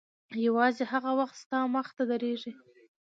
یوازې هغه وخت ستا مخته درېږي.